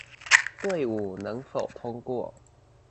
隊伍能否通過